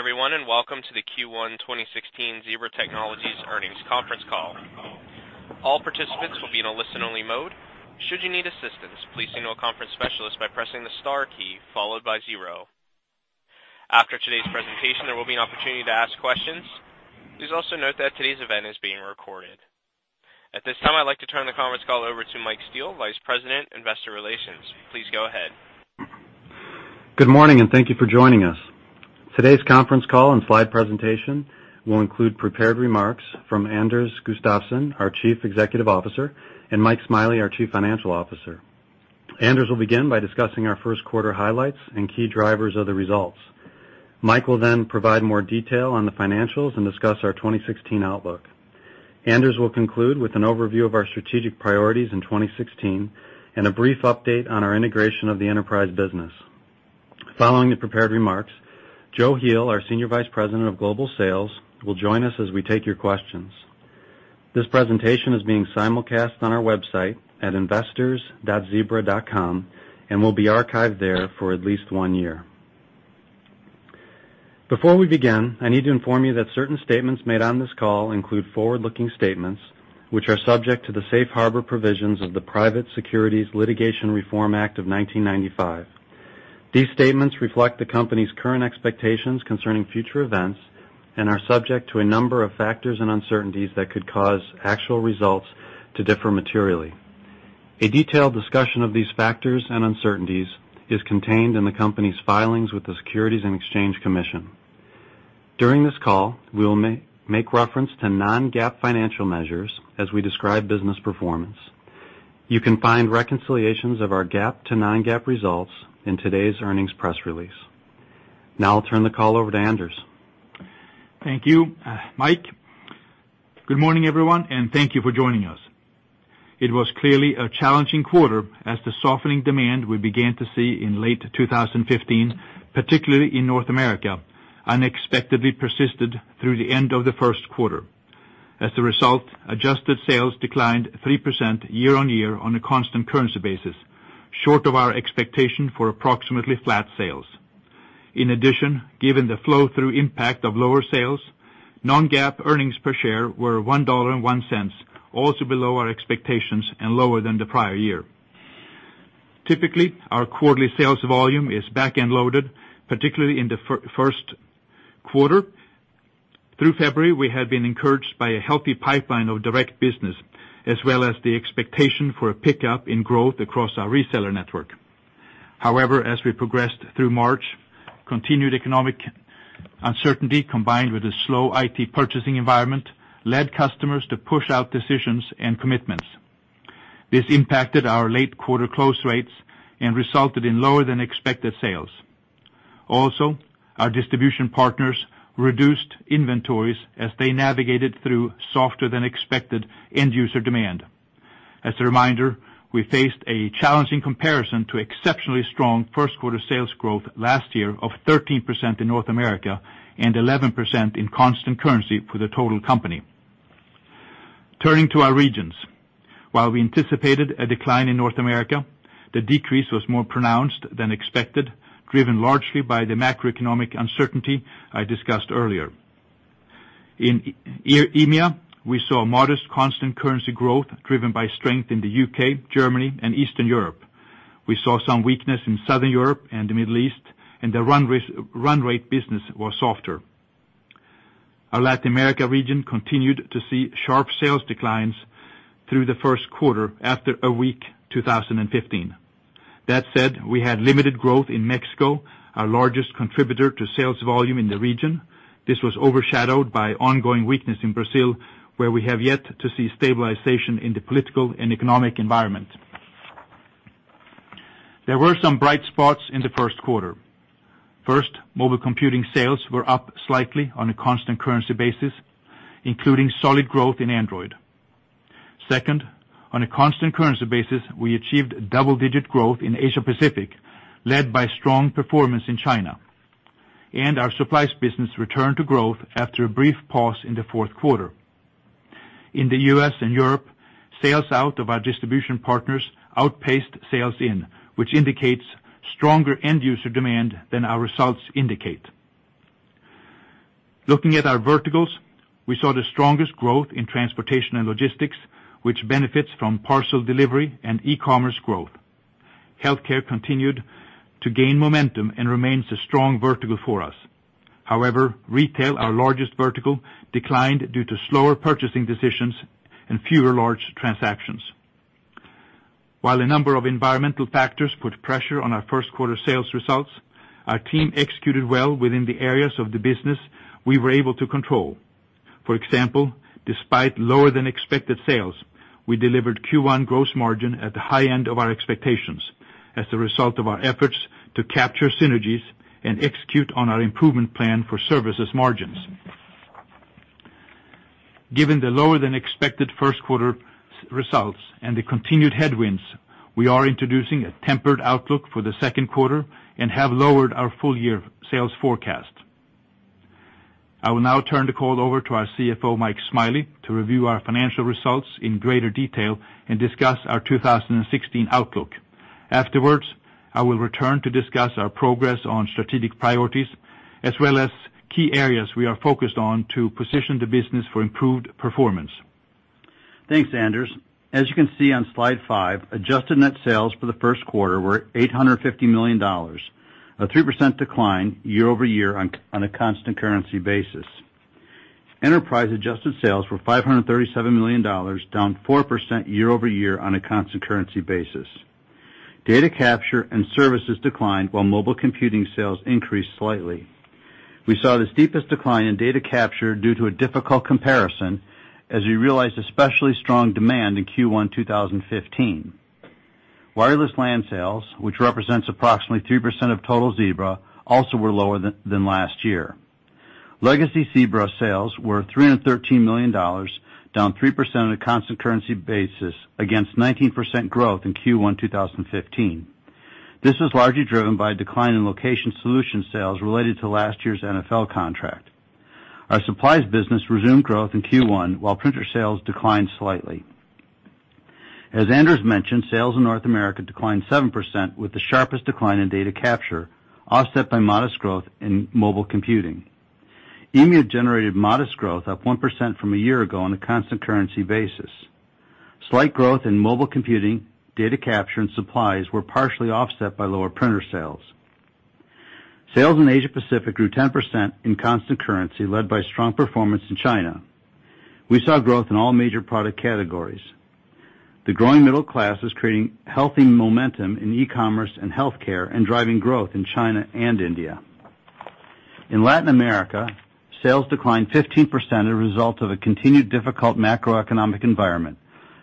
Good morning everyone, welcome to the Q1 2016 Zebra Technologies earnings conference call. All participants will be in a listen-only mode. Should you need assistance, please signal a conference specialist by pressing the star key followed by 0. After today's presentation, there will be an opportunity to ask questions. Please also note that today's event is being recorded. At this time, I'd like to turn the conference call over to Michael Steele, Vice President, Investor Relations. Please go ahead. Good morning, thank you for joining us. Today's conference call and slide presentation will include prepared remarks from Anders Gustafsson, our Chief Executive Officer, and Mike Smiley, our Chief Financial Officer. Anders will begin by discussing our first quarter highlights and key drivers of the results. Mike will then provide more detail on the financials and discuss our 2016 outlook. Anders will conclude with an overview of our strategic priorities in 2016 and a brief update on our integration of the enterprise business. Following the prepared remarks, Joachim Heel, our Senior Vice President of Global Sales, will join us as we take your questions. This presentation is being simulcast on our website at investors.zebra.com and will be archived there for at least one year. Before we begin, I need to inform you that certain statements made on this call include forward-looking statements, which are subject to the safe harbor provisions of the Private Securities Litigation Reform Act of 1995. These statements reflect the company's current expectations concerning future events and are subject to a number of factors and uncertainties that could cause actual results to differ materially. A detailed discussion of these factors and uncertainties is contained in the company's filings with the Securities and Exchange Commission. During this call, we will make reference to non-GAAP financial measures as we describe business performance. You can find reconciliations of our GAAP to non-GAAP results in today's earnings press release. I'll turn the call over to Anders. Thank you, Mike. Good morning everyone, thank you for joining us. It was clearly a challenging quarter as the softening demand we began to see in late 2015, particularly in North America, unexpectedly persisted through the end of the first quarter. As a result, adjusted sales declined 3% year-on-year on a constant currency basis, short of our expectation for approximately flat sales. In addition, given the flow-through impact of lower sales, non-GAAP earnings per share were $1.01, also below our expectations and lower than the prior year. Typically, our quarterly sales volume is back-end loaded, particularly in the first quarter. Through February, we had been encouraged by a healthy pipeline of direct business as well as the expectation for a pickup in growth across our reseller network. However, as we progressed through March, continued economic uncertainty, combined with a slow IT purchasing environment, led customers to push out decisions and commitments. This impacted our late quarter close rates and resulted in lower than expected sales. Our distribution partners reduced inventories as they navigated through softer than expected end user demand. As a reminder, we faced a challenging comparison to exceptionally strong first quarter sales growth last year of 13% in North America and 11% in constant currency for the total company. Turning to our regions. While we anticipated a decline in North America, the decrease was more pronounced than expected, driven largely by the macroeconomic uncertainty I discussed earlier. In EMEA, we saw modest constant currency growth driven by strength in the U.K., Germany, and Eastern Europe. We saw some weakness in Southern Europe and the Middle East. The run rate business was softer. Our Latin America region continued to see sharp sales declines through the first quarter after a weak 2015. That said, we had limited growth in Mexico, our largest contributor to sales volume in the region. This was overshadowed by ongoing weakness in Brazil, where we have yet to see stabilization in the political and economic environment. There were some bright spots in the first quarter. First, mobile computing sales were up slightly on a constant currency basis, including solid growth in Android. Second, on a constant currency basis, we achieved double-digit growth in Asia Pacific, led by strong performance in China. Our supplies business returned to growth after a brief pause in the fourth quarter. In the U.S. and Europe, sales out of our distribution partners outpaced sales in, which indicates stronger end user demand than our results indicate. Looking at our verticals, we saw the strongest growth in transportation and logistics, which benefits from parcel delivery and e-commerce growth. Healthcare continued to gain momentum and remains a strong vertical for us. Retail, our largest vertical, declined due to slower purchasing decisions and fewer large transactions. While a number of environmental factors put pressure on our first quarter sales results, our team executed well within the areas of the business we were able to control. For example, despite lower than expected sales, we delivered Q1 gross margin at the high end of our expectations as a result of our efforts to capture synergies and execute on our improvement plan for services margins. Given the lower than expected first quarter results and the continued headwinds, we are introducing a tempered outlook for the second quarter and have lowered our full year sales forecast. I will now turn the call over to our CFO, Mike Smiley, to review our financial results in greater detail and discuss our 2016 outlook. Afterwards, I will return to discuss our progress on strategic priorities, as well as key areas we are focused on to position the business for improved performance. Thanks, Anders. As you can see on slide five, adjusted net sales for the first quarter were $850 million, a 3% decline year-over-year on a constant currency basis. Enterprise adjusted sales were $537 million, down 4% year-over-year on a constant currency basis. Data capture and services declined while mobile computing sales increased slightly. We saw the steepest decline in data capture due to a difficult comparison as we realized especially strong demand in Q1 2015. Wireless LAN sales, which represents approximately 3% of total Zebra, also were lower than last year. Legacy Zebra sales were $313 million, down 3% on a constant currency basis against 19% growth in Q1 2015. This was largely driven by a decline in Location Solutions sales related to last year's NFL contract. Our supplies business resumed growth in Q1, while printer sales declined slightly. As Anders mentioned, sales in North America declined 7%, with the sharpest decline in data capture, offset by modest growth in mobile computing. EMEA generated modest growth, up 1% from a year ago on a constant currency basis. Slight growth in mobile computing, data capture, and supplies were partially offset by lower printer sales. Sales in Asia Pacific grew 10% in constant currency, led by strong performance in China. We saw growth in all major product categories. The growing middle class is creating healthy momentum in e-commerce and healthcare and driving growth in China and India. In Latin America, sales declined 15% as a result of a continued difficult macroeconomic environment,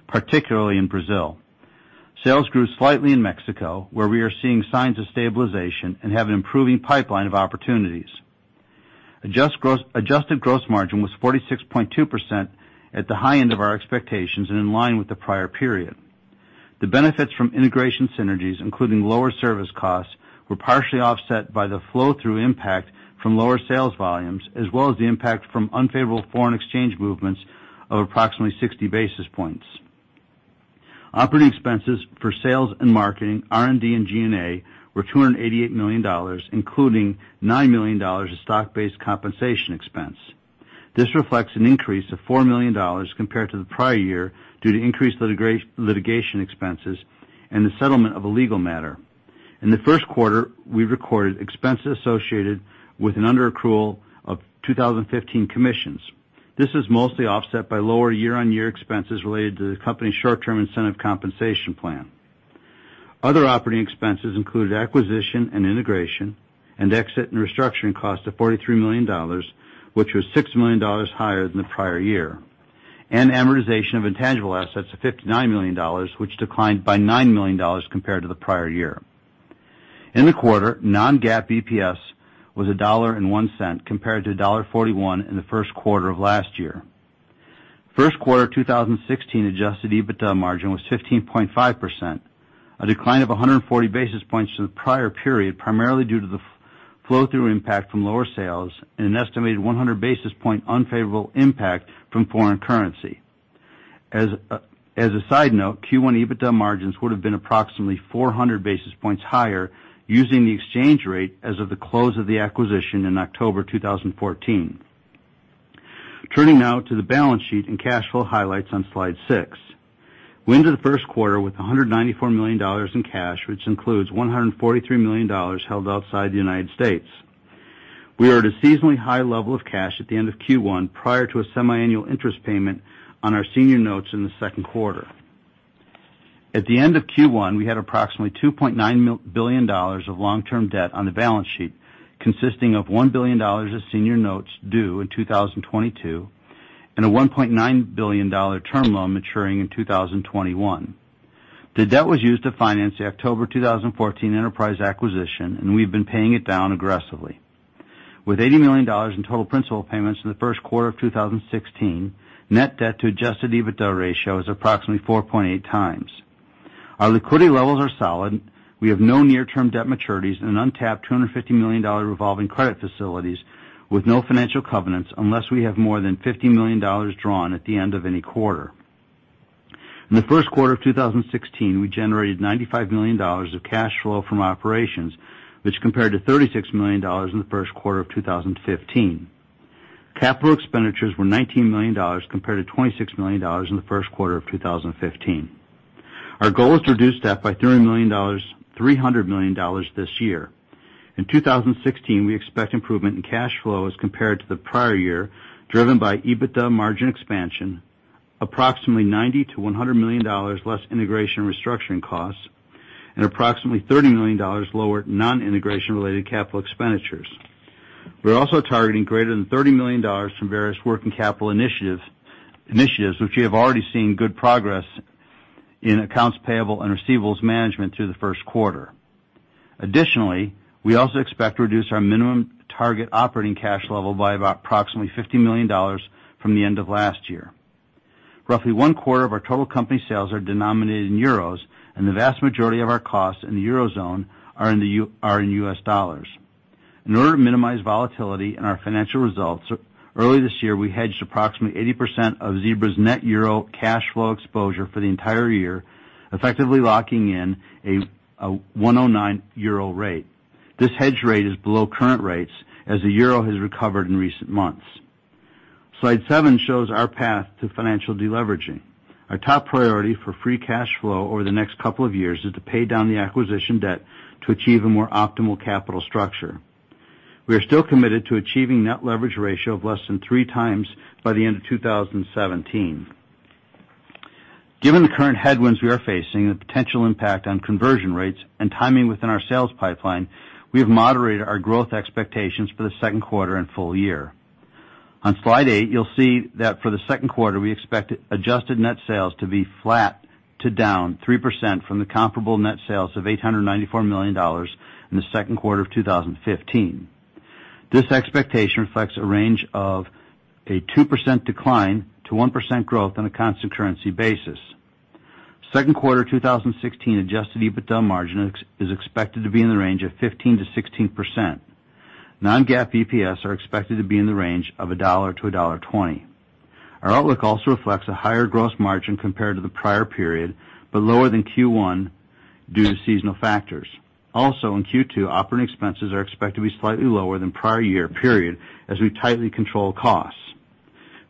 particularly in Brazil. Sales grew slightly in Mexico, where we are seeing signs of stabilization and have an improving pipeline of opportunities. Adjusted gross margin was 46.2% at the high end of our expectations and in line with the prior period. The benefits from integration synergies, including lower service costs, were partially offset by the flow-through impact from lower sales volumes, as well as the impact from unfavorable foreign exchange movements of approximately 60 basis points. Operating expenses for sales and marketing, R&D, and G&A were $288 million, including $9 million of stock-based compensation expense. This reflects an increase of $4 million compared to the prior year due to increased litigation expenses and the settlement of a legal matter. In the first quarter, we recorded expenses associated with an underaccrual of 2015 commissions. This is mostly offset by lower year-on-year expenses related to the company's short-term incentive compensation plan. Other operating expenses included acquisition and integration and exit and restructuring costs of $43 million, which was $6 million higher than the prior year, and amortization of intangible assets of $59 million, which declined by $9 million compared to the prior year. In the quarter, non-GAAP EPS was $1.01 compared to $1.41 in the first quarter of last year. First quarter 2016 adjusted EBITDA margin was 15.5%, a decline of 140 basis points to the prior period, primarily due to the flow-through impact from lower sales and an estimated 100 basis point unfavorable impact from foreign currency. As a side note, Q1 EBITDA margins would have been approximately 400 basis points higher using the exchange rate as of the close of the acquisition in October 2014. Turning now to the balance sheet and cash flow highlights on slide six. We went into the first quarter with $194 million in cash, which includes $143 million held outside the U.S. We are at a seasonally high level of cash at the end of Q1, prior to a semiannual interest payment on our senior notes in the second quarter. At the end of Q1, we had approximately $2.9 billion of long-term debt on the balance sheet, consisting of $1 billion of senior notes due in 2022 and a $1.9 billion term loan maturing in 2021. The debt was used to finance the October 2014 enterprise acquisition, and we've been paying it down aggressively. With $80 million in total principal payments in the first quarter of 2016, net debt to adjusted EBITDA ratio is approximately 4.8 times. Our liquidity levels are solid. We have no near-term debt maturities and an untapped $250 million revolving credit facilities with no financial covenants, unless we have more than $50 million drawn at the end of any quarter. In the first quarter of 2016, we generated $95 million of cash flow from operations, which compared to $36 million in the first quarter of 2015. Capital expenditures were $19 million compared to $26 million in the first quarter of 2015. Our goal is to reduce debt by $300 million this year. In 2016, we expect improvement in cash flow as compared to the prior year, driven by EBITDA margin expansion, approximately $90 million-$100 million less integration restructuring costs, and approximately $30 million lower non-integration related capital expenditures. We're also targeting greater than $30 million from various working capital initiatives, which we have already seen good progress in accounts payable and receivables management through the first quarter. Additionally, we also expect to reduce our minimum target operating cash level by approximately $50 million from the end of last year. Roughly one quarter of our total company sales are denominated in EUR, and the vast majority of our costs in the Eurozone are in U.S. dollars. In order to minimize volatility in our financial results, early this year, we hedged approximately 80% of Zebra's net EUR cash flow exposure for the entire year, effectively locking in a 109 euro rate. This hedge rate is below current rates as the EUR has recovered in recent months. Slide seven shows our path to financial deleveraging. Our top priority for free cash flow over the next couple of years is to pay down the acquisition debt to achieve a more optimal capital structure. We are still committed to achieving net leverage ratio of less than three times by the end of 2017. Given the current headwinds we are facing and the potential impact on conversion rates and timing within our sales pipeline, we have moderated our growth expectations for the second quarter and full year. On slide eight, you'll see that for the second quarter, we expect adjusted net sales to be flat to down 3% from the comparable net sales of $894 million in the second quarter of 2015. This expectation reflects a range of a 2% decline to 1% growth on a constant currency basis. Second quarter 2016 adjusted EBITDA margin is expected to be in the range of 15%-16%. Non-GAAP EPS are expected to be in the range of $1.00-$1.20. Our outlook also reflects a higher gross margin compared to the prior period, but lower than Q1 due to seasonal factors. In Q2, operating expenses are expected to be slightly lower than prior year period as we tightly control costs.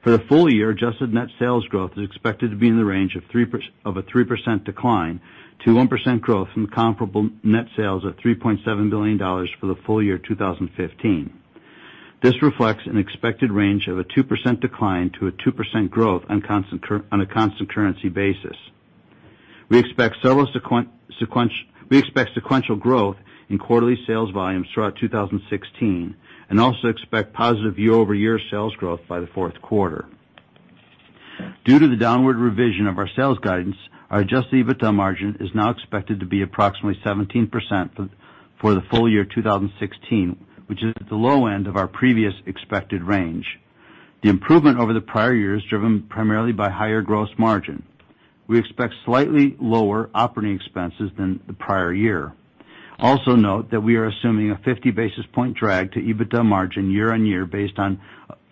For the full year, adjusted net sales growth is expected to be in the range of a 3% decline to 1% growth from comparable net sales of $3.7 billion for the full year 2015. This reflects an expected range of a 2% decline to a 2% growth on a constant currency basis. We expect sequential growth in quarterly sales volumes throughout 2016, and also expect positive year-over-year sales growth by the fourth quarter. Due to the downward revision of our sales guidance, our adjusted EBITDA margin is now expected to be approximately 17% for the full year 2016, which is at the low end of our previous expected range. The improvement over the prior year is driven primarily by higher gross margin. We expect slightly lower operating expenses than the prior year. Note that we are assuming a 50 basis point drag to EBITDA margin year-on-year based on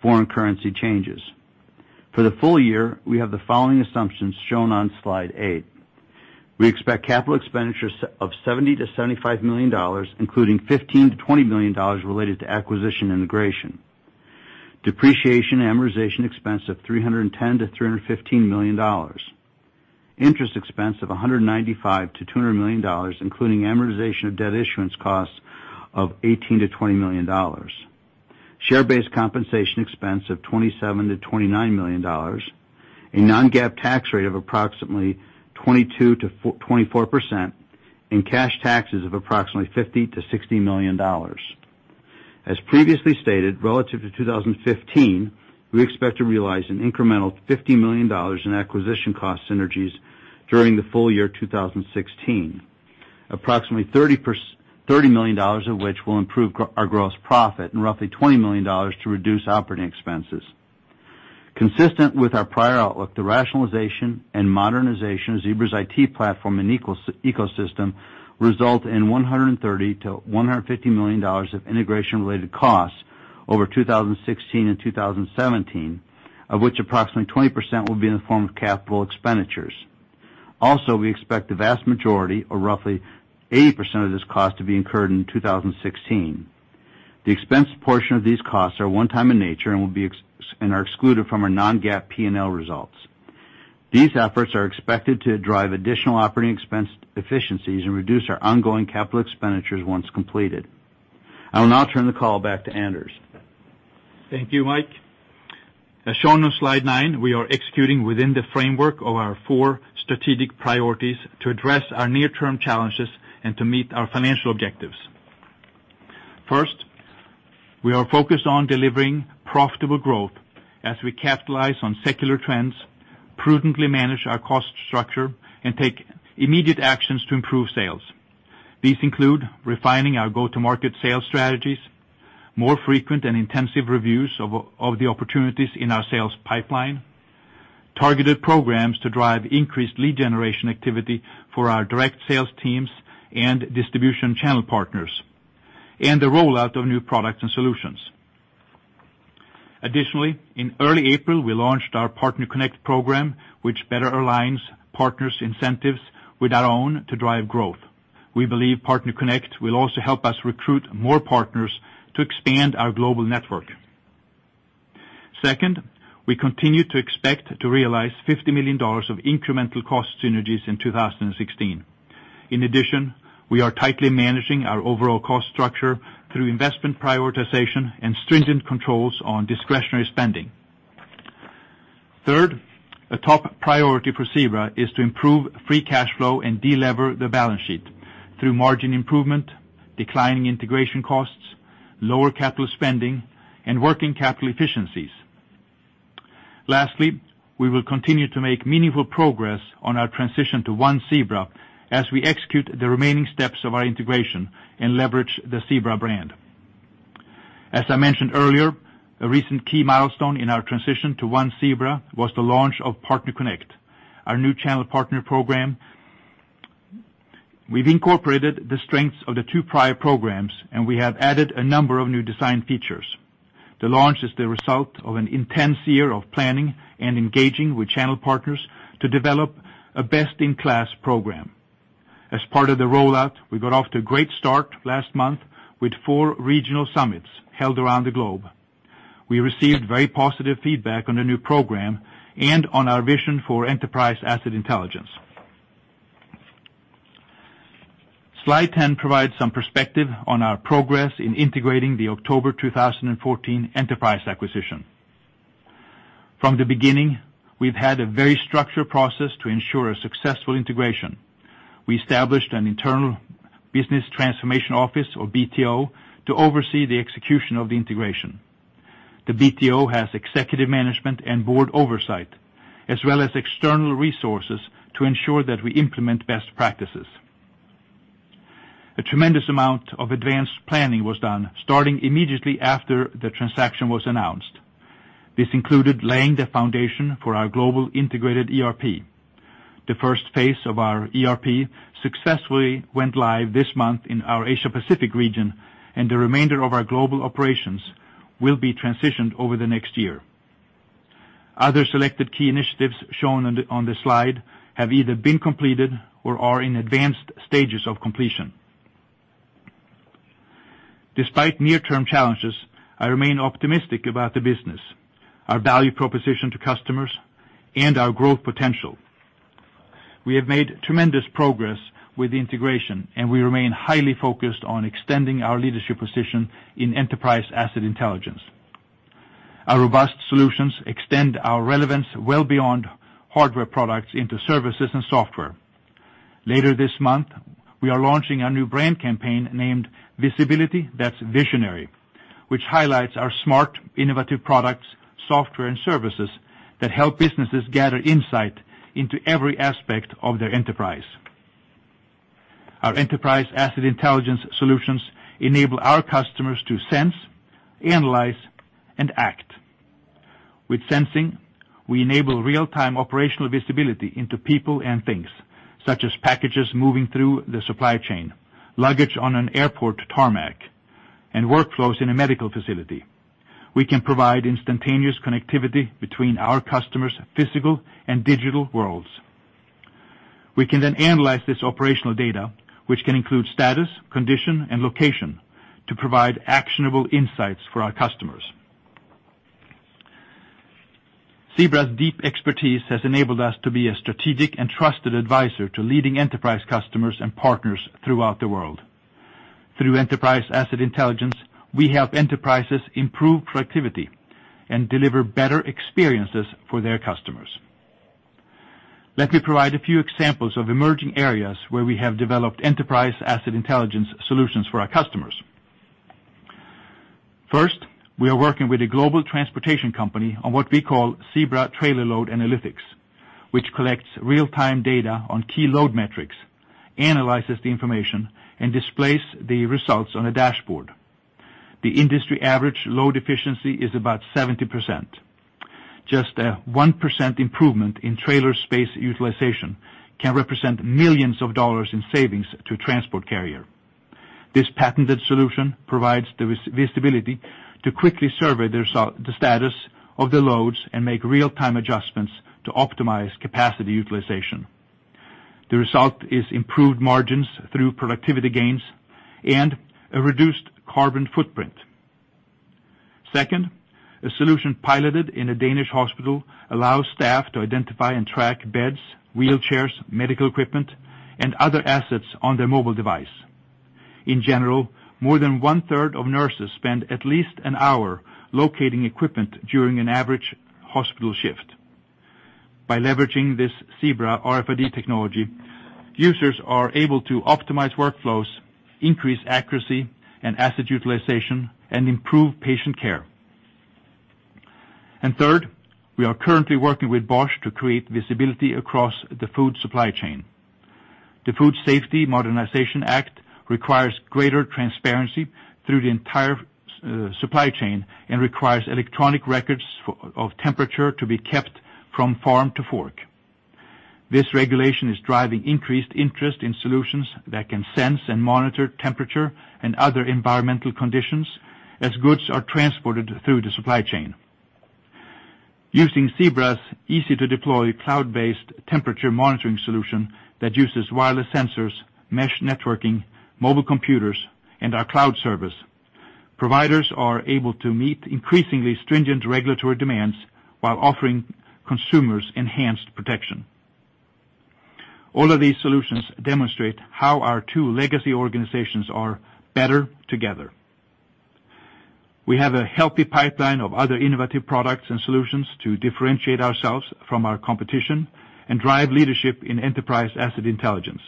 foreign currency changes. For the full year, we have the following assumptions shown on slide eight. We expect capital expenditures of $70 million-$75 million, including $15 million-$20 million related to acquisition integration. Depreciation and amortization expense of $310 million-$315 million. Interest expense of $195 million-$200 million, including amortization of debt issuance costs of $18 million-$20 million. Share-based compensation expense of $27 million-$29 million. A non-GAAP tax rate of approximately 22%-24%, and cash taxes of approximately $50 million-$60 million. As previously stated, relative to 2015, we expect to realize an incremental $50 million in acquisition cost synergies during the full year 2016. Approximately $30 million of which will improve our gross profit, and roughly $20 million to reduce operating expenses. Consistent with our prior outlook, the rationalization and modernization of Zebra's IT platform and ecosystem result in $130 million-$150 million of integration related costs over 2016 and 2017, of which approximately 20% will be in the form of capital expenditures. We expect the vast majority, or roughly 80% of this cost, to be incurred in 2016. The expense portion of these costs are one-time in nature and are excluded from our non-GAAP P&L results. These efforts are expected to drive additional operating expense efficiencies and reduce our ongoing capital expenditures once completed. I will now turn the call back to Anders. Thank you, Mike. As shown on slide nine, we are executing within the framework of our four strategic priorities to address our near-term challenges and to meet our financial objectives. First, we are focused on delivering profitable growth as we capitalize on secular trends, prudently manage our cost structure, and take immediate actions to improve sales. These include refining our go-to-market sales strategies, more frequent and intensive reviews of the opportunities in our sales pipeline, targeted programs to drive increased lead generation activity for our direct sales teams and distribution channel partners, and the rollout of new products and solutions. Additionally, in early April, we launched our PartnerConnect program, which better aligns partners incentives with our own to drive growth. We believe PartnerConnect will also help us recruit more partners to expand our global network. Second, we continue to expect to realize $50 million of incremental cost synergies in 2016. In addition, we are tightly managing our overall cost structure through investment prioritization and stringent controls on discretionary spending. Third, a top priority for Zebra is to improve free cash flow and de-lever the balance sheet through margin improvement, declining integration costs, lower capital spending, and working capital efficiencies. Lastly, we will continue to make meaningful progress on our transition to One Zebra as we execute the remaining steps of our integration and leverage the Zebra brand. As I mentioned earlier, a recent key milestone in our transition to One Zebra was the launch of PartnerConnect, our new channel partner program. We've incorporated the strengths of the two prior programs, and we have added a number of new design features. The launch is the result of an intense year of planning and engaging with channel partners to develop a best-in-class program. As part of the rollout, we got off to a great start last month with four regional summits held around the globe. We received very positive feedback on the new program and on our vision for Enterprise Asset Intelligence. Slide 10 provides some perspective on our progress in integrating the October 2014 Enterprise acquisition. From the beginning, we've had a very structured process to ensure a successful integration. We established an internal business transformation office, or BTO, to oversee the execution of the integration. The BTO has executive management and board oversight, as well as external resources to ensure that we implement best practices. A tremendous amount of advanced planning was done starting immediately after the transaction was announced. This included laying the foundation for our global integrated ERP. The first phase of our ERP successfully went live this month in our Asia Pacific region, and the remainder of our global operations will be transitioned over the next year. Other selected key initiatives shown on the slide have either been completed or are in advanced stages of completion. Despite near-term challenges, I remain optimistic about the business, our value proposition to customers, and our growth potential. We have made tremendous progress with the integration, and we remain highly focused on extending our leadership position in Enterprise Asset Intelligence. Our robust solutions extend our relevance well beyond hardware products into services and software. Later this month, we are launching our new brand campaign named Visibility That's Visionary, which highlights our smart, innovative products, software, and services that help businesses gather insight into every aspect of their enterprise. Our Enterprise Asset Intelligence solutions enable our customers to sense, analyze, and act. With sensing, we enable real-time operational visibility into people and things, such as packages moving through the supply chain, luggage on an airport tarmac, and workflows in a medical facility. We can provide instantaneous connectivity between our customers' physical and digital worlds. We can then analyze this operational data, which can include status, condition, and location, to provide actionable insights for our customers. Zebra's deep expertise has enabled us to be a strategic and trusted advisor to leading enterprise customers and partners throughout the world. Through Enterprise Asset Intelligence, we help enterprises improve productivity and deliver better experiences for their customers. Let me provide a few examples of emerging areas where we have developed Enterprise Asset Intelligence solutions for our customers. First, we are working with a global transportation company on what we call Zebra Trailer Load Analytics, which collects real-time data on key load metrics, analyzes the information, and displays the results on a dashboard. The industry average load efficiency is about 70%. Just a 1% improvement in trailer space utilization can represent millions of dollars in savings to a transport carrier. This patented solution provides the visibility to quickly survey the status of the loads and make real-time adjustments to optimize capacity utilization. The result is improved margins through productivity gains and a reduced carbon footprint. Second, a solution piloted in a Danish hospital allows staff to identify and track beds, wheelchairs, medical equipment, and other assets on their mobile device. In general, more than one-third of nurses spend at least an hour locating equipment during an average hospital shift. By leveraging this Zebra RFID technology, users are able to optimize workflows, increase accuracy and asset utilization, and improve patient care. Third, we are currently working with Bosch to create visibility across the food supply chain. The Food Safety Modernization Act requires greater transparency through the entire supply chain and requires electronic records of temperature to be kept from farm to fork. This regulation is driving increased interest in solutions that can sense and monitor temperature and other environmental conditions as goods are transported through the supply chain. Using Zebra's easy-to-deploy cloud-based temperature monitoring solution that uses wireless sensors, mesh networking, mobile computers, and our cloud service, providers are able to meet increasingly stringent regulatory demands while offering consumers enhanced protection. All of these solutions demonstrate how our two legacy organizations are better together. We have a healthy pipeline of other innovative products and solutions to differentiate ourselves from our competition and drive leadership in Enterprise Asset Intelligence.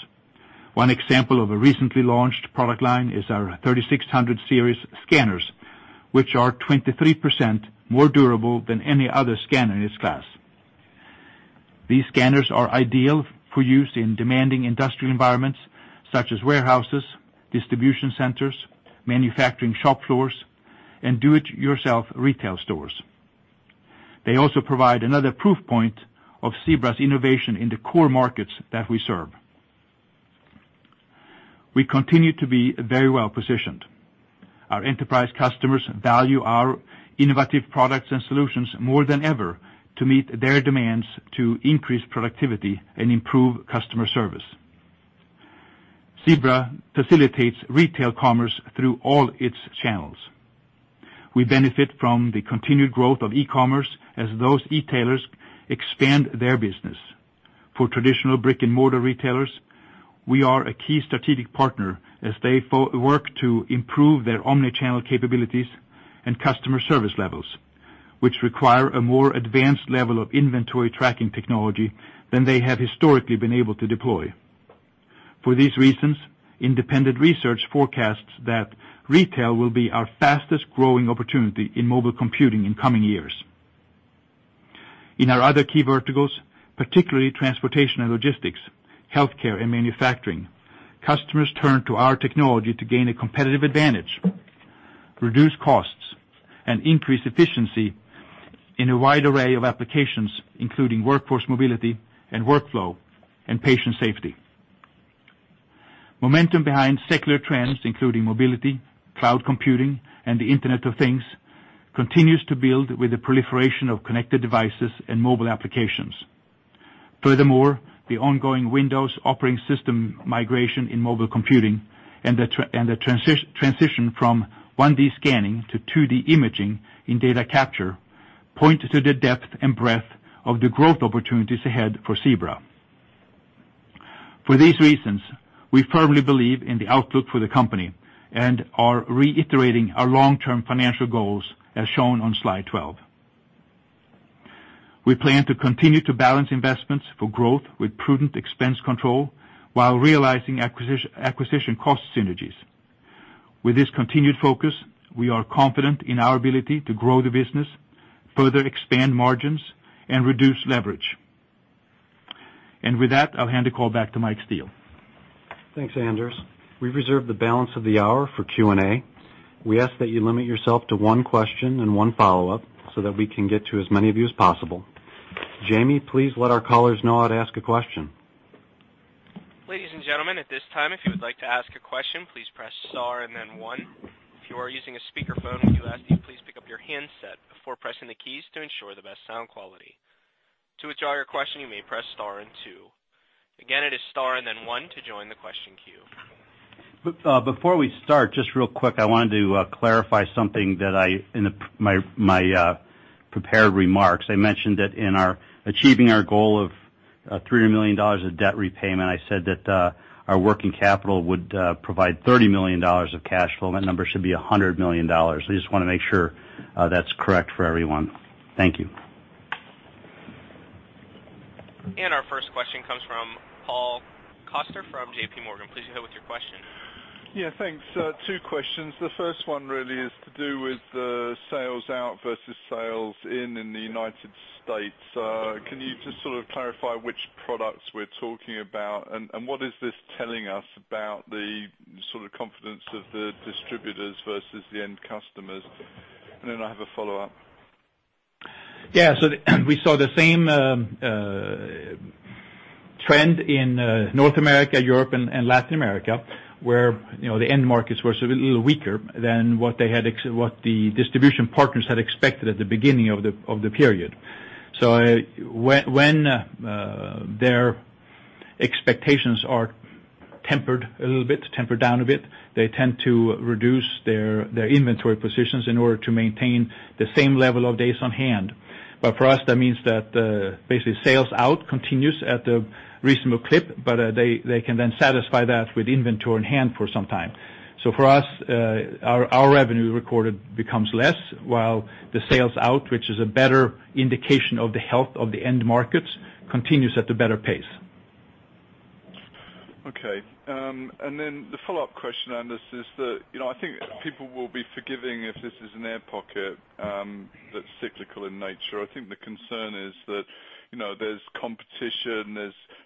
One example of a recently launched product line is our 3600 Series scanners, which are 23% more durable than any other scanner in its class. These scanners are ideal for use in demanding industrial environments such as warehouses, distribution centers, manufacturing shop floors, and do-it-yourself retail stores. They also provide another proof point of Zebra's innovation in the core markets that we serve. We continue to be very well-positioned. Our enterprise customers value our innovative products and solutions more than ever to meet their demands to increase productivity and improve customer service. Zebra facilitates retail commerce through all its channels. We benefit from the continued growth of e-commerce as those e-tailers expand their business. For traditional brick-and-mortar retailers, we are a key strategic partner as they work to improve their omni-channel capabilities and customer service levels, which require a more advanced level of inventory tracking technology than they have historically been able to deploy. For these reasons, independent research forecasts that retail will be our fastest-growing opportunity in mobile computing in coming years. In our other key verticals, particularly transportation and logistics, healthcare and manufacturing, customers turn to our technology to gain a competitive advantage, reduce costs, and increase efficiency in a wide array of applications, including workforce mobility and workflow and patient safety. Momentum behind secular trends, including mobility, cloud computing, and the Internet of Things, continues to build with the proliferation of connected devices and mobile applications. Furthermore, the ongoing Windows operating system migration in mobile computing and the transition from 1D scanning to 2D imaging in data capture point to the depth and breadth of the growth opportunities ahead for Zebra. For these reasons, we firmly believe in the outlook for the company and are reiterating our long-term financial goals as shown on slide 12. We plan to continue to balance investments for growth with prudent expense control while realizing acquisition cost synergies. With this continued focus, we are confident in our ability to grow the business, further expand margins and reduce leverage. With that, I'll hand the call back to Mike Steele. Thanks, Anders. We've reserved the balance of the hour for Q&A. We ask that you limit yourself to one question and one follow-up so that we can get to as many of you as possible. Jamie, please let our callers know how to ask a question. Ladies and gentlemen, at this time, if you would like to ask a question, please press star and then one. If you are using a speakerphone, we ask that you please pick up your handset before pressing the keys to ensure the best sound quality. To withdraw your question, you may press star and two. Again, it is star and then one to join the question queue. Before we start, just real quick, I wanted to clarify something that I, in my prepared remarks, I mentioned that in achieving our goal of $300 million of debt repayment, I said that our working capital would provide $30 million of cash flow. That number should be $100 million. I just want to make sure that's correct for everyone. Thank you. Our first question comes from Paul Coster from JPMorgan. Please go ahead with your question. Yeah, thanks. Two questions. The first one really is to do with the sales out versus sales in in the U.S. Can you just sort of clarify which products we're talking about, and what is this telling us about the sort of confidence of the distributors versus the end customers? I have a follow-up. Yeah. We saw the same trend in North America, Europe and Latin America, where the end markets were sort of a little weaker than what the distribution partners had expected at the beginning of the period. When their expectations are tempered a little bit, tempered down a bit, they tend to reduce their inventory positions in order to maintain the same level of days on hand. For us, that means that basically sales out continues at a reasonable clip, but they can then satisfy that with inventory on hand for some time. For us, our revenue recorded becomes less, while the sales out, which is a better indication of the health of the end markets, continues at a better pace. Okay. The follow-up question, Anders, is that I think people will be forgiving if this is an air pocket that's cyclical in nature. I think the concern is that there's competition,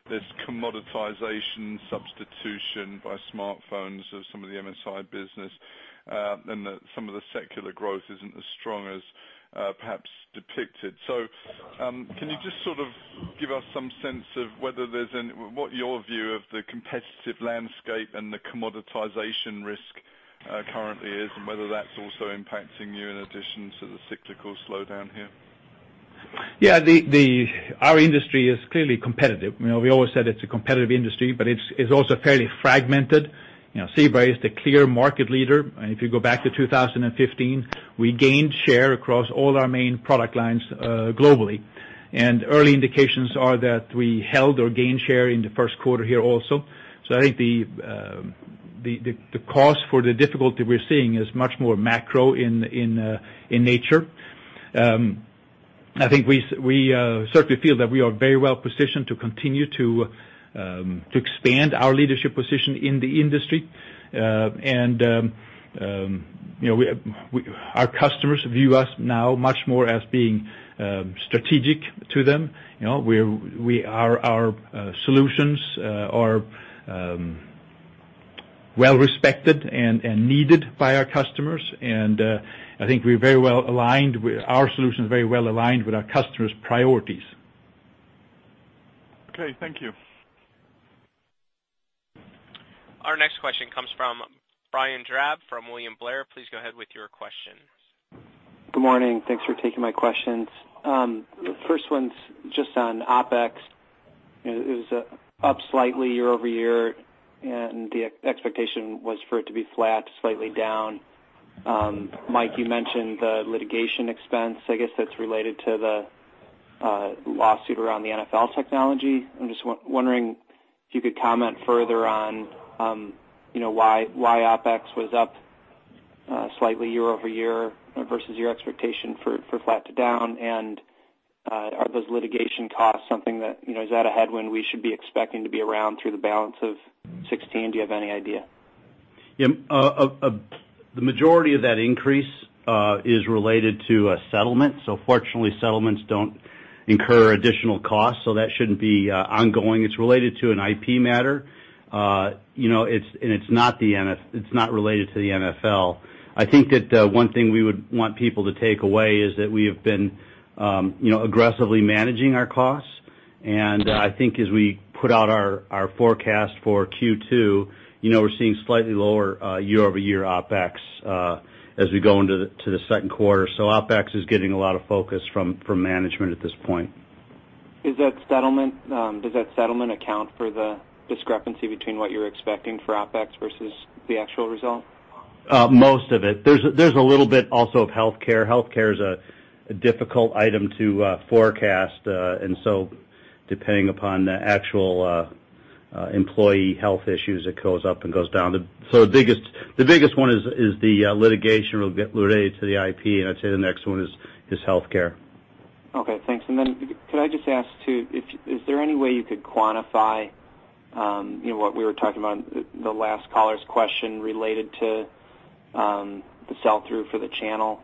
there's commoditization, substitution by smartphones of some of the MSI business, and that some of the secular growth isn't as strong as perhaps depicted. Can you just sort of give us some sense of what your view of the competitive landscape and the commoditization risk currently is, and whether that's also impacting you in addition to the cyclical slowdown here? Yeah. Our industry is clearly competitive. We always said it's a competitive industry, but it's also fairly fragmented. Zebra is the clear market leader. If you go back to 2015, we gained share across all our main product lines globally. Early indications are that we held or gained share in the first quarter here also. I think the cause for the difficulty we're seeing is much more macro in nature. I think we certainly feel that we are very well positioned to continue to expand our leadership position in the industry. Our customers view us now much more as being strategic to them. Our solutions are Well-respected and needed by our customers. I think our solution is very well aligned with our customers' priorities. Okay, thank you. Our next question comes from Brian Drab from William Blair. Please go ahead with your question. Good morning. Thanks for taking my questions. First one's just on OpEx. It was up slightly year-over-year, the expectation was for it to be flat, slightly down. Mike, you mentioned the litigation expense. I guess that's related to the lawsuit around the NFL technology. I'm just wondering if you could comment further on why OpEx was up slightly year-over-year versus your expectation for flat to down. Are those litigation costs something that, is that a headwind we should be expecting to be around through the balance of 2016? Do you have any idea? Yeah. The majority of that increase is related to a settlement. Fortunately, settlements don't incur additional costs, so that shouldn't be ongoing. It's related to an IP matter. It's not related to the NFL. I think that one thing we would want people to take away is that we have been aggressively managing our costs. I think as we put out our forecast for Q2, we're seeing slightly lower year-over-year OpEx, as we go into the second quarter. OpEx is getting a lot of focus from management at this point. Does that settlement account for the discrepancy between what you're expecting for OpEx versus the actual result? Most of it. There's a little bit also of healthcare. Healthcare is a difficult item to forecast, depending upon the actual employee health issues, it goes up and goes down. The biggest one is the litigation related to the IP, I'd say the next one is healthcare. Okay, thanks. Could I just ask too, is there any way you could quantify what we were talking about, the last caller's question related to the sell-through for the channel?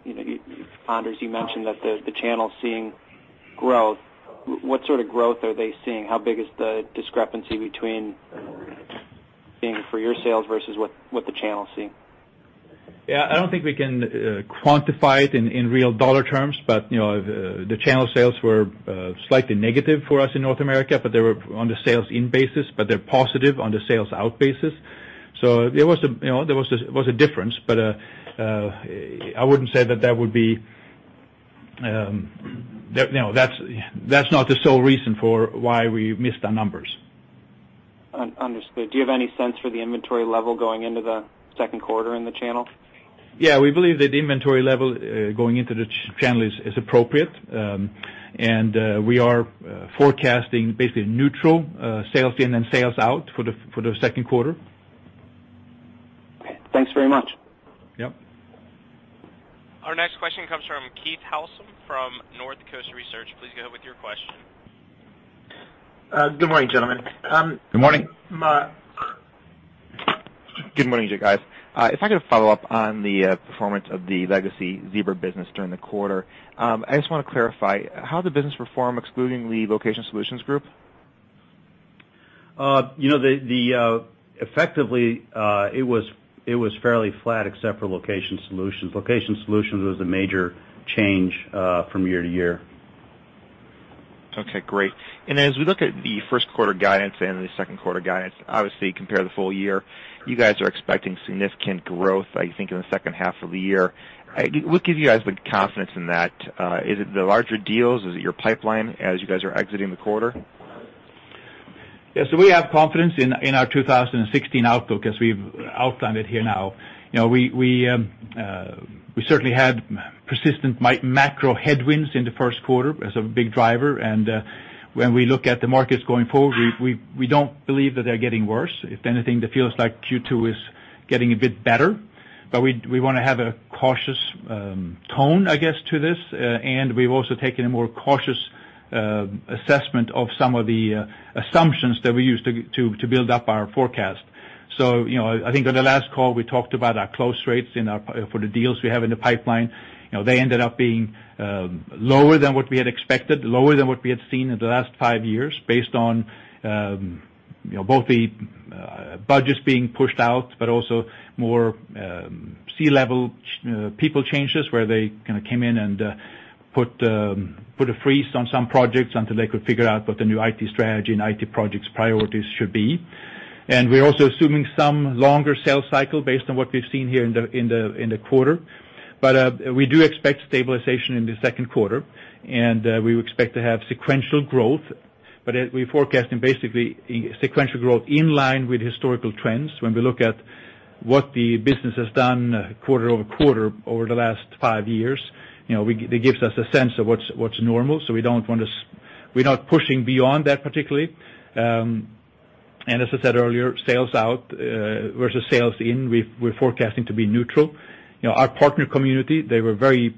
Anders, you mentioned that the channel's seeing growth. What sort of growth are they seeing? How big is the discrepancy between seeing for your sales versus what the channel's seeing? Yeah. I don't think we can quantify it in real dollar terms, the channel sales were slightly negative for us in North America. They were on the sales in basis, but they're positive on the sales out basis. There was a difference, but I wouldn't say that's not the sole reason for why we missed our numbers. Understood. Do you have any sense for the inventory level going into the second quarter in the channel? Yeah. We believe that the inventory level going into the channel is appropriate. We are forecasting basically neutral sales in and sales out for the second quarter. Okay. Thanks very much. Yep. Our next question comes from Keith Housum from Northcoast Research. Please go ahead with your question. Good morning, gentlemen. Good morning. Good morning to you guys. If I could follow up on the performance of the legacy Zebra business during the quarter. I just want to clarify, how did the business perform excluding the Location Solutions group? Effectively, it was fairly flat except for Location Solutions. Location Solutions was the major change from year-over-year. Okay, great. As we look at the first quarter guidance and the second quarter guidance, obviously compare the full year, you guys are expecting significant growth, I think, in the second half of the year. What gives you guys the confidence in that? Is it the larger deals? Is it your pipeline as you guys are exiting the quarter? Yeah. We have confidence in our 2016 outlook as we've outlined it here now. We certainly had persistent macro headwinds in the first quarter as a big driver. When we look at the markets going forward, we don't believe that they're getting worse. If anything, that feels like Q2 is getting a bit better. We want to have a cautious tone, I guess, to this. We've also taken a more cautious assessment of some of the assumptions that we use to build up our forecast. I think on the last call, we talked about our close rates for the deals we have in the pipeline. They ended up being lower than what we had expected, lower than what we had seen in the last 5 years based on both the budgets being pushed out, also more C-level people changes where they kind of came in and put a freeze on some projects until they could figure out what the new IT strategy and IT projects priorities should be. We're also assuming some longer sales cycle based on what we've seen here in the quarter. We do expect stabilization in the second quarter, and we would expect to have sequential growth, but we're forecasting basically sequential growth in line with historical trends. When we look at what the business has done quarter-over-quarter over the last 5 years, that gives us a sense of what's normal. We're not pushing beyond that particularly. As I said earlier, sales out versus sales in, we're forecasting to be neutral. Our partner community, they were very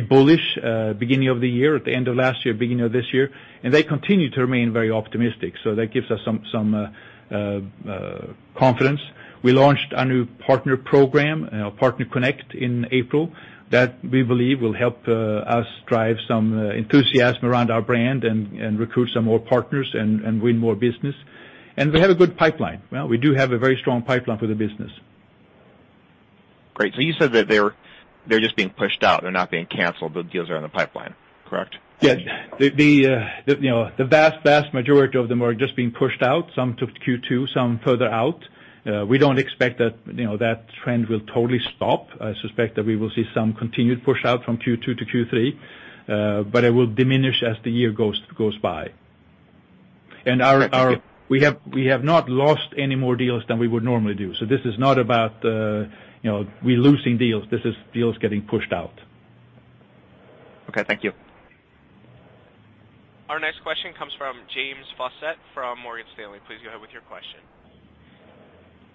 bullish beginning of the year, at the end of last year, beginning of this year, and they continue to remain very optimistic. That gives us some confidence. We launched a new partner program, PartnerConnect, in April that we believe will help us drive some enthusiasm around our brand and recruit some more partners and win more business. We have a good pipeline. We do have a very strong pipeline for the business. Great. You said that they're just being pushed out, they're not being canceled. Those deals are in the pipeline, correct? Yes. The vast majority of them are just being pushed out. Some to Q2, some further out. We don't expect that trend will totally stop. I suspect that we will see some continued push-out from Q2 to Q3, but it will diminish as the year goes by. We have not lost any more deals than we would normally do. This is not about we losing deals. This is deals getting pushed out. Okay, thank you. Our next question comes from James Faucette from Morgan Stanley. Please go ahead with your question.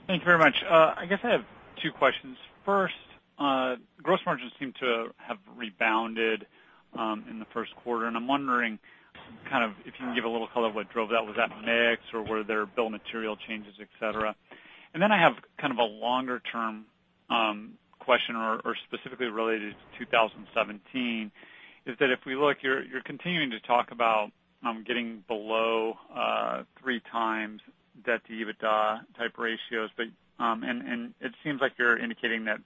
Thank you very much. I guess I have two questions. First, gross margins seem to have rebounded in the first quarter, and I'm wondering if you can give a little color what drove that. Was that mix or were there bill of material changes, et cetera? I have kind of a longer-term question or specifically related to 2017, is that if we look, you're continuing to talk about getting below 3x debt to EBITDA type ratios. It seems like you're indicating that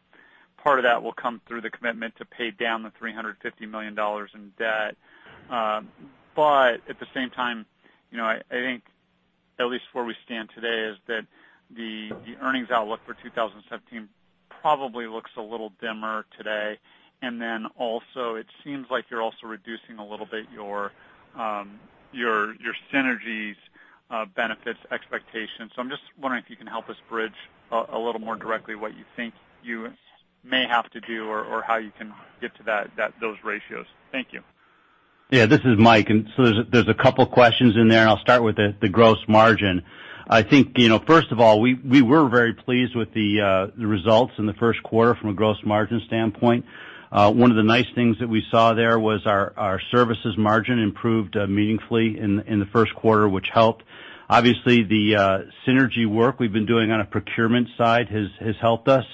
part of that will come through the commitment to pay down the $350 million in debt. At the same time, I think at least where we stand today is that the earnings outlook for 2017 probably looks a little dimmer today. Also, it seems like you're also reducing a little bit your synergies benefits expectations. I'm just wondering if you can help us bridge a little more directly what you think you may have to do or how you can get to those ratios. Thank you. Yeah, this is Mike. There are a couple of questions in there, and I'll start with the gross margin. I think, first of all, we were very pleased with the results in the first quarter from a gross margin standpoint. One of the nice things that we saw there was our services margin improved meaningfully in the first quarter, which helped. Obviously, the synergy work we've been doing on a procurement side has helped us.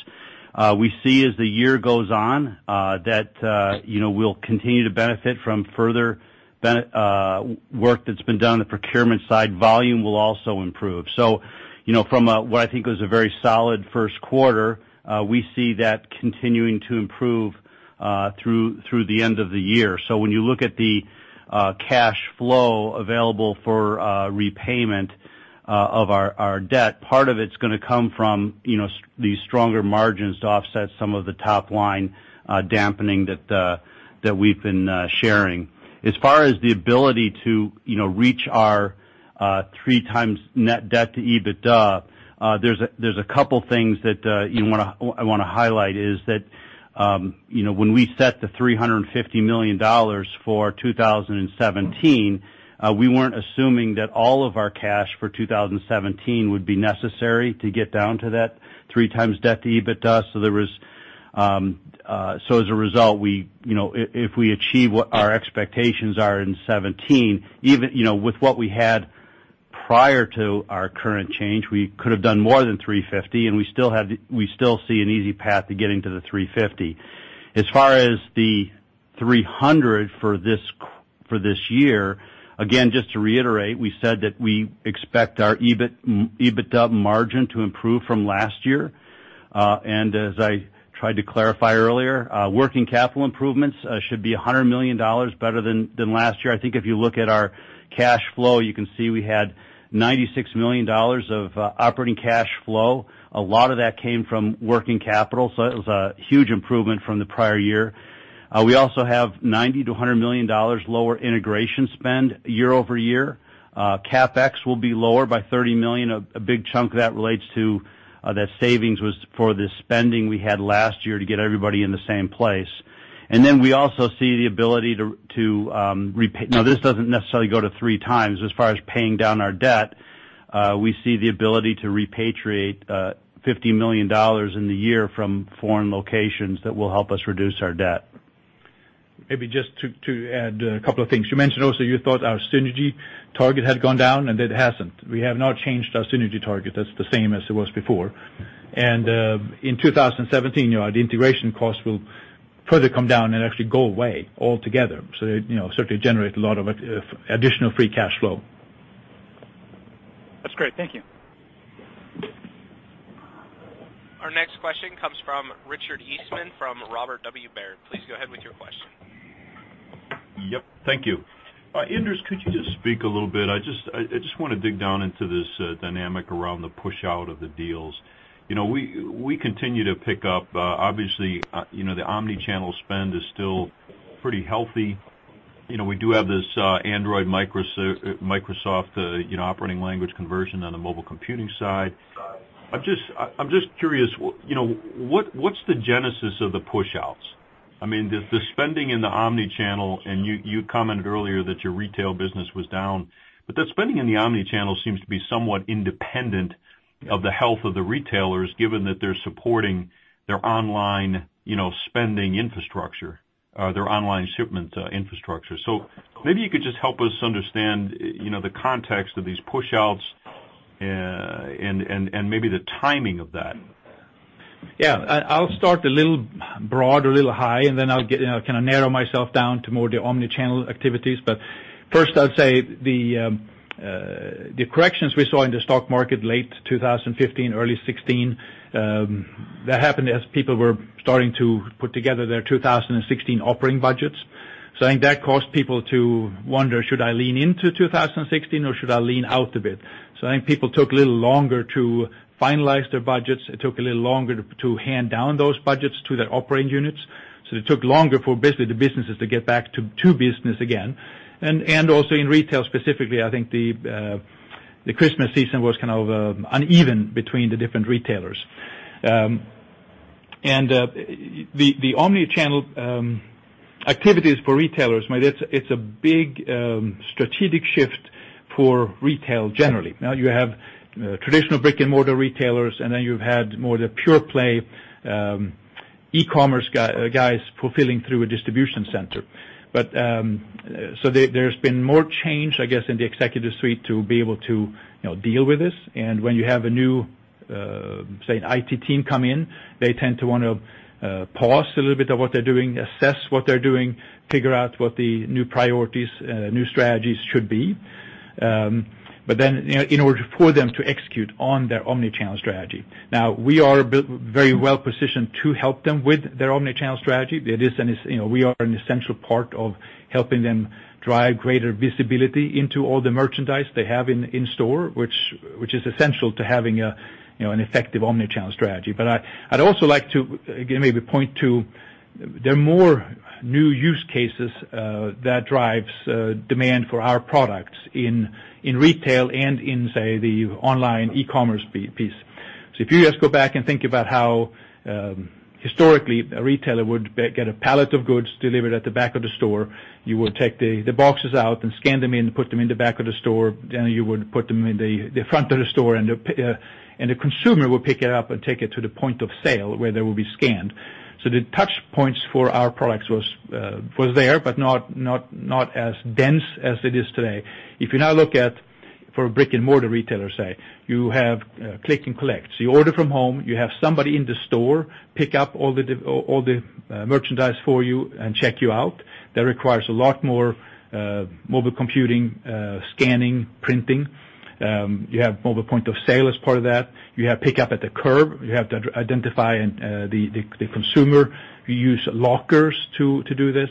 We see as the year goes on that we'll continue to benefit from further work that's been done on the procurement side. Volume will also improve. From what I think was a very solid first quarter, we see that continuing to improve through the end of the year. When you look at the cash flow available for repayment of our debt, part of it's going to come from these stronger margins to offset some of the top-line dampening that we've been sharing. As far as the ability to reach our three times net debt to EBITDA, there are a couple things that I want to highlight is that when we set the $350 million for 2017, we weren't assuming that all of our cash for 2017 would be necessary to get down to that three times debt to EBITDA. As a result, if we achieve what our expectations are in 2017, with what we had prior to our current change, we could have done more than 350, and we still see an easy path to getting to the 350. As far as the $300 for this year, again, just to reiterate, we said that we expect our EBITDA margin to improve from last year. As I tried to clarify earlier, working capital improvements should be $100 million better than last year. I think if you look at our cash flow, you can see we had $96 million of operating cash flow. A lot of that came from working capital, so it was a huge improvement from the prior year. We also have $90 million-$100 million lower integration spend year-over-year. CapEx will be lower by $30 million. A big chunk of that relates to that savings was for the spending we had last year to get everybody in the same place. We also see the ability to repay-- now, this doesn't necessarily go to three times as far as paying down our debt. We see the ability to repatriate $50 million in the year from foreign locations that will help us reduce our debt. Maybe just to add a couple of things. You mentioned also you thought our synergy target had gone down. It hasn't. We have not changed our synergy target. That's the same as it was before. In 2017, the integration cost will further come down and actually go away altogether. It certainly generate a lot of additional free cash flow. That's great. Thank you. Our next question comes from Richard Eastman from Robert W. Baird. Please go ahead with your question. Yep. Thank you. Anders, could you just speak a little bit? I just want to dig down into this dynamic around the push out of the deals. We continue to pick up obviously, the omni-channel spend is still pretty healthy. We do have this Android, Microsoft operating language conversion on the mobile computing side. I'm just curious, what's the genesis of the push outs? I mean, the spending in the omni-channel, you commented earlier that your retail business was down, that spending in the omni-channel seems to be somewhat independent of the health of the retailers, given that they're supporting their online spending infrastructure or their online shipment infrastructure. Maybe you could just help us understand the context of these push outs and maybe the timing of that. Yeah. I'll start a little Broad or a little high, then I'll kind of narrow myself down to more the omni-channel activities. First, I'd say the corrections we saw in the stock market late 2015, early 2016, that happened as people were starting to put together their 2016 operating budgets. I think that caused people to wonder, should I lean into 2016, or should I lean out a bit? I think people took a little longer to finalize their budgets. It took a little longer to hand down those budgets to their operating units. It took longer for basically the businesses to get back to business again. Also in retail specifically, I think the Christmas season was kind of uneven between the different retailers. The omni-channel activities for retailers, it's a big strategic shift for retail generally. Now you have traditional brick-and-mortar retailers, then you've had more the pure play e-commerce guys fulfilling through a distribution center. There's been more change, I guess, in the executive suite to be able to deal with this. When you have a new, say, an IT team come in, they tend to want to pause a little bit of what they're doing, assess what they're doing, figure out what the new priorities, new strategies should be. In order for them to execute on their omni-channel strategy, we are very well-positioned to help them with their omni-channel strategy. We are an essential part of helping them drive greater visibility into all the merchandise they have in store, which is essential to having an effective omni-channel strategy. I'd also like to maybe point to, there are more new use cases that drives demand for our products in retail and in, say, the online e-commerce piece. If you just go back and think about how historically a retailer would get a pallet of goods delivered at the back of the store, you would take the boxes out and scan them in and put them in the back of the store. You would put them in the front of the store, and the consumer would pick it up and take it to the point of sale where they will be scanned. The touch points for our products was there, but not as dense as it is today. If you now look at for a brick-and-mortar retailer, say, you have click and collect. You order from home, you have somebody in the store pick up all the merchandise for you and check you out. That requires a lot more mobile computing, scanning, printing. You have mobile point of sale as part of that. You have pick up at the curb. You have to identify the consumer. You use lockers to do this.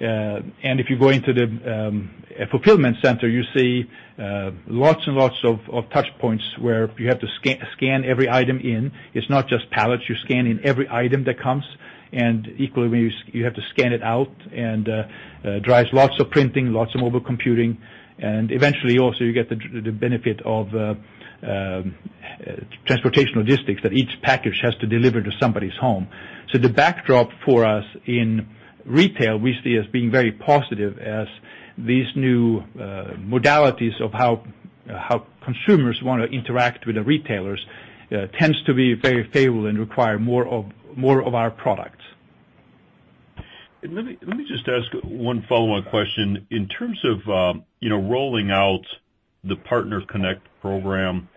If you go into the fulfillment center, you see lots and lots of touch points where you have to scan every item in. It's not just pallets. You scan in every item that comes, and equally, you have to scan it out and drives lots of printing, lots of mobile computing. Eventually also you get the benefit of transportation logistics that each package has to deliver to somebody's home. The backdrop for us in retail, we see as being very positive as these new modalities of how consumers want to interact with the retailers tends to be very favorable and require more of our products. Let me just ask one follow-up question. In terms of rolling out the PartnerConnect program,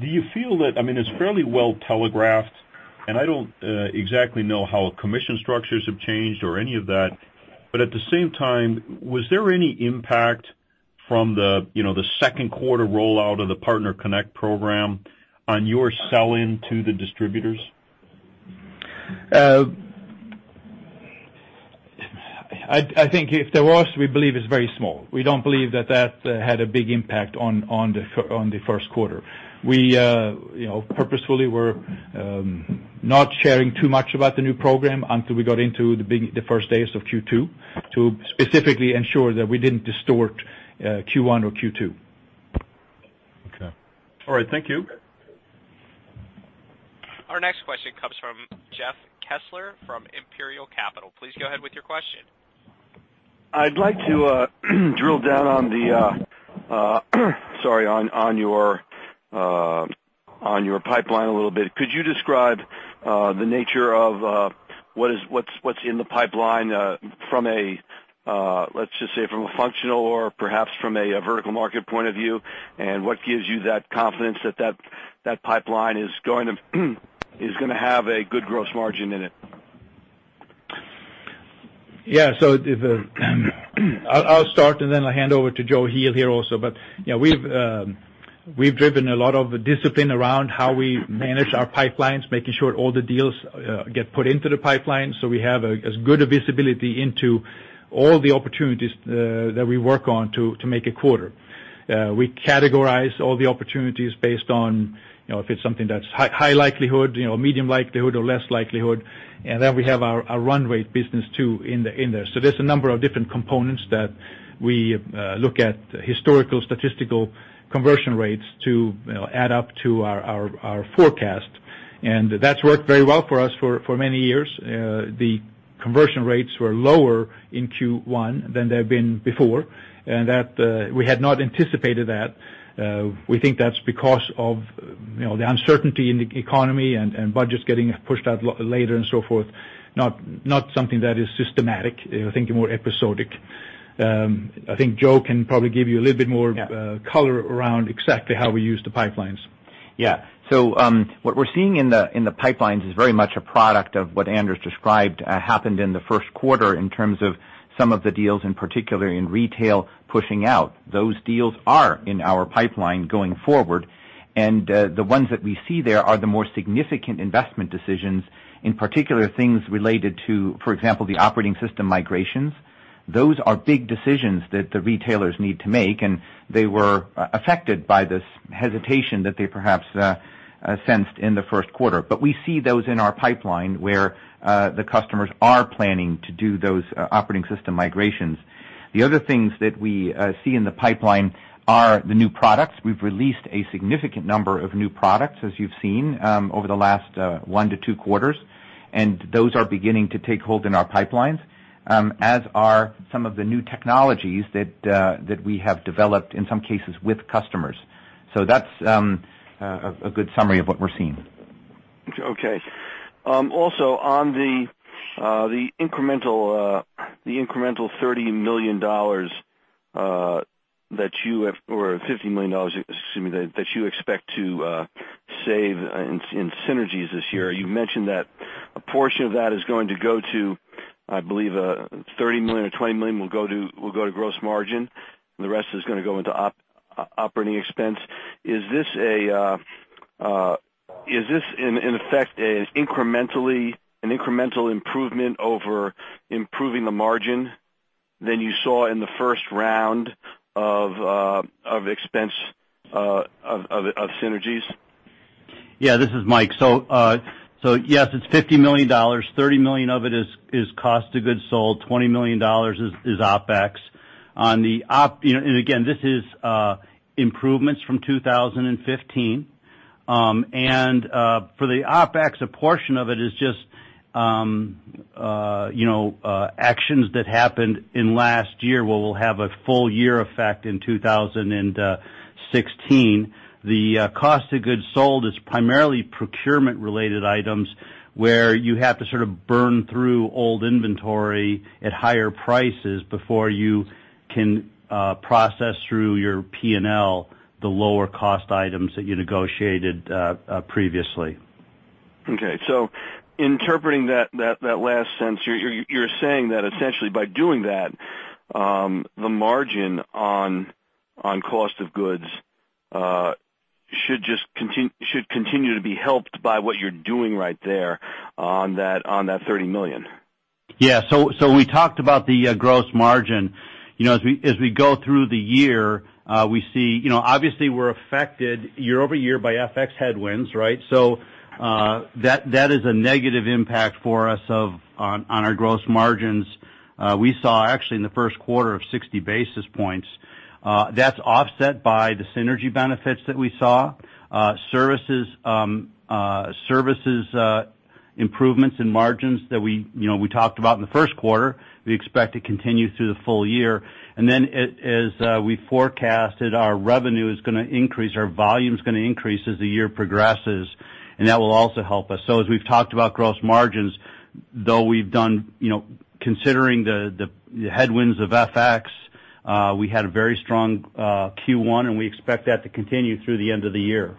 do you feel that, it's fairly well telegraphed, and I don't exactly know how commission structures have changed or any of that. At the same time, was there any impact from the second quarter rollout of the PartnerConnect program on your sell-in to the distributors? I think if there was, we believe it's very small. We don't believe that that had a big impact on the first quarter. We purposefully were not sharing too much about the new program until we got into the first days of Q2 to specifically ensure that we didn't distort Q1 or Q2. Okay. All right. Thank you. Our next question comes from Jeff Kessler from Imperial Capital. Please go ahead with your question. I'd like to drill down on the, sorry, on your pipeline a little bit. Could you describe the nature of what's in the pipeline, let's just say, from a functional or perhaps from a vertical market point of view, what gives you that confidence that that pipeline is going to have a good gross margin in it? Yeah. I'll start, I'll hand over to Joe Heel here also. We've driven a lot of discipline around how we manage our pipelines, making sure all the deals get put into the pipeline so we have as good a visibility into all the opportunities that we work on to make a quarter. We categorize all the opportunities based on if it's something that's high likelihood, medium likelihood, or less likelihood. Then we have our run rate business too in there. There's a number of different components that we look at historical statistical conversion rates to add up to our forecast. That's worked very well for us for many years. The conversion rates were lower in Q1 than they've been before, we had not anticipated that. We think that's because of the uncertainty in the economy and budgets getting pushed out later and so forth. Not something that is systematic. I think more episodic. I think Joe can probably give you a little bit more. Yeah color around exactly how we use the pipelines. What we're seeing in the pipelines is very much a product of what Anders described happened in the first quarter, in terms of some of the deals, in particular in retail, pushing out. Those deals are in our pipeline going forward, and the ones that we see there are the more significant investment decisions, in particular, things related to, for example, the operating system migrations. Those are big decisions that the retailers need to make, and they were affected by this hesitation that they perhaps sensed in the first quarter. We see those in our pipeline where the customers are planning to do those operating system migrations. The other things that we see in the pipeline are the new products. We've released a significant number of new products, as you've seen, over the last 1 to 2 quarters. Those are beginning to take hold in our pipelines, as are some of the new technologies that we have developed, in some cases, with customers. That's a good summary of what we're seeing. Okay. Also, on the incremental $30 million or $50 million, excuse me, that you expect to save in synergies this year. You mentioned that a portion of that is going to go to, I believe, $30 million or $20 million will go to gross margin, and the rest is going to go into operating expense. Is this, in effect, an incremental improvement over improving the margin than you saw in the first round of expense of synergies? Yeah. This is Mike. Yes, it's $50 million. $30 million of it is cost of goods sold. $20 million is OpEx. Again, this is improvements from 2015. For the OpEx, a portion of it is just actions that happened in last year, where we'll have a full year effect in 2016. The cost of goods sold is primarily procurement-related items, where you have to sort of burn through old inventory at higher prices before you can process through your P&L, the lower cost items that you negotiated previously. Okay. Interpreting that last sentence, you're saying that essentially by doing that, the margin on cost of goods should continue to be helped by what you're doing right there on that $30 million. We talked about the gross margin. As we go through the year, obviously, we're affected year-over-year by FX headwinds, right? That is a negative impact for us on our gross margins. We saw actually in the first quarter of 60 basis points. That's offset by the synergy benefits that we saw. Services improvements in margins that we talked about in the first quarter, we expect to continue through the full year. As we forecasted, our revenue is going to increase, our volume is going to increase as the year progresses, and that will also help us. As we've talked about gross margins, though considering the headwinds of FX, we had a very strong Q1, and we expect that to continue through the end of the year.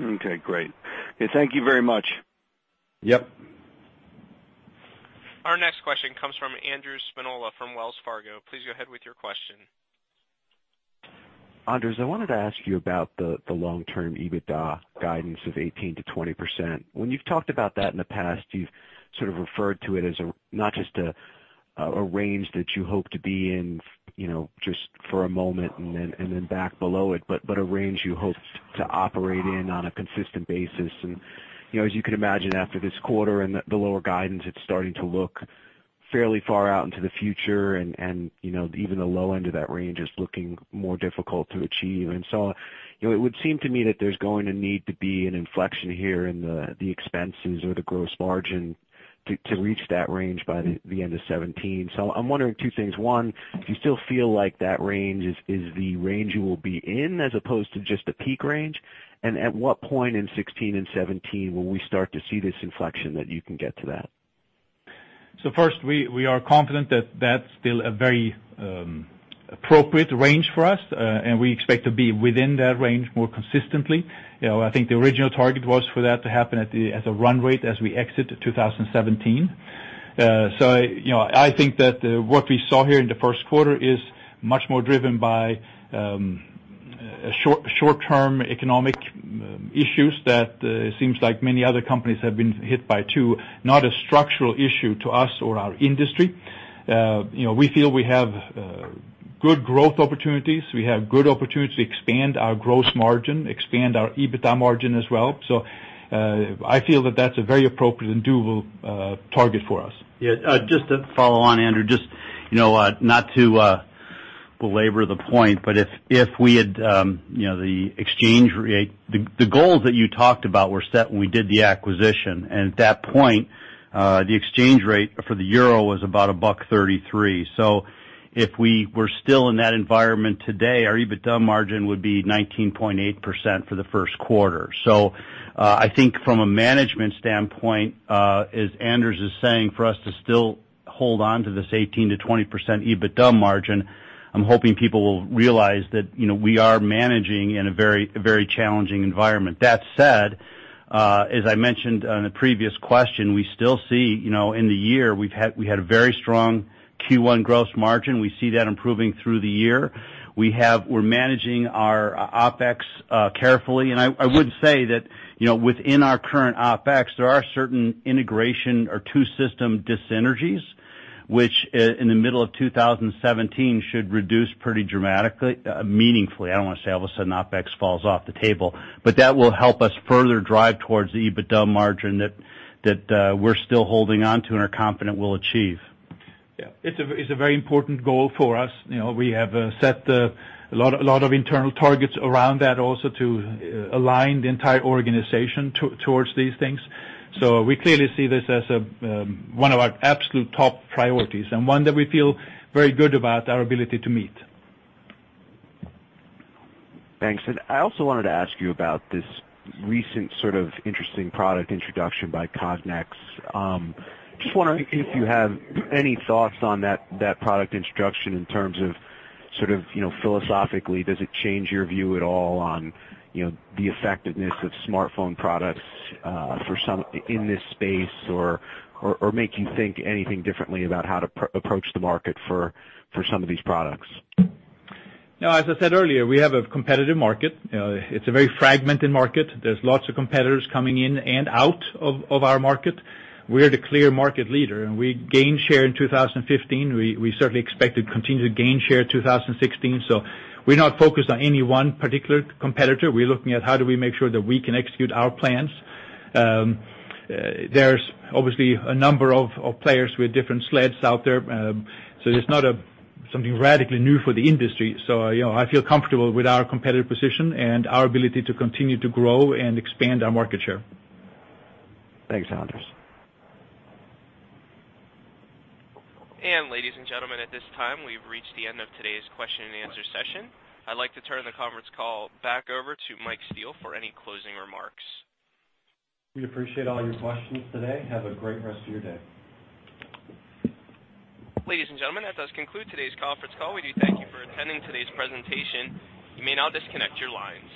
Okay, great. Thank you very much. Yep. Our next question comes from Andrew Spinola from Wells Fargo. Please go ahead with your question. Anders, I wanted to ask you about the long-term EBITDA guidance of 18%-20%. When you've talked about that in the past, you've sort of referred to it as not just a range that you hope to be in just for a moment and then back below it, but a range you hope to operate in on a consistent basis. As you can imagine after this quarter and the lower guidance, it's starting to look fairly far out into the future, even the low end of that range is looking more difficult to achieve. It would seem to me that there's going to need to be an inflection here in the expenses or the gross margin to reach that range by the end of 2017. I'm wondering two things. One, do you still feel like that range is the range you will be in as opposed to just a peak range? At what point in 2016 and 2017 will we start to see this inflection that you can get to that? First, we are confident that that's still a very appropriate range for us, we expect to be within that range more consistently. I think the original target was for that to happen as a run rate as we exit 2017. I think that what we saw here in the first quarter is much more driven by short-term economic issues that seems like many other companies have been hit by, too. Not a structural issue to us or our industry. We feel we have good growth opportunities. We have good opportunities to expand our gross margin, expand our EBITDA margin as well. I feel that that's a very appropriate and doable target for us. Yeah. Just to follow on, Andrew, not to belabor the point, the goals that you talked about were set when we did the acquisition. At that point, the exchange rate for the EUR was about $1.33. If we were still in that environment today, our EBITDA margin would be 19.8% for the first quarter. I think from a management standpoint, as Anders is saying, for us to still hold on to this 18% to 20% EBITDA margin. I'm hoping people will realize that we are managing in a very challenging environment. That said, as I mentioned on a previous question, we still see in the year, we had a very strong Q1 gross margin. We see that improving through the year. We're managing our OpEx carefully. I would say that within our current OpEx, there are certain integration or two system dysenergies, which in the middle of 2017 should reduce pretty meaningfully. I don't want to say all of a sudden OpEx falls off the table. That will help us further drive towards the EBITDA margin that we're still holding onto and are confident we'll achieve. Yeah. It's a very important goal for us. We have set a lot of internal targets around that also to align the entire organization towards these things. We clearly see this as one of our absolute top priorities and one that we feel very good about our ability to meet. Thanks. I also wanted to ask you about this recent sort of interesting product introduction by Cognex. Just wondering if you have any thoughts on that product introduction in terms of sort of philosophically, does it change your view at all on the effectiveness of smartphone products in this space or make you think anything differently about how to approach the market for some of these products? No, as I said earlier, we have a competitive market. It's a very fragmented market. There's lots of competitors coming in and out of our market. We're the clear market leader, and we gained share in 2015. We certainly expect to continue to gain share 2016. We're not focused on any one particular competitor. We're looking at how do we make sure that we can execute our plans. There's obviously a number of players with different slates out there. It's not something radically new for the industry. I feel comfortable with our competitive position and our ability to continue to grow and expand our market share. Thanks, Anders. Ladies and gentlemen, at this time, we've reached the end of today's question and answer session. I'd like to turn the conference call back over to Michael Steele for any closing remarks. We appreciate all your questions today. Have a great rest of your day. Ladies and gentlemen, that does conclude today's conference call. We do thank you for attending today's presentation. You may now disconnect your lines.